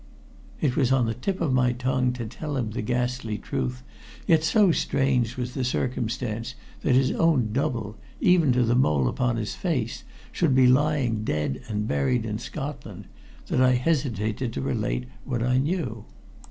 It was on the tip of my tongue to tell him the ghastly truth, yet so strange was the circumstance that his own double, even to the mole upon his face, should be lying dead and buried in Scotland that I hesitated to relate what I knew.